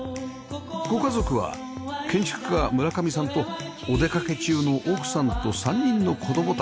ご家族は建築家村上さんとお出かけ中の奥さんと３人の子供たち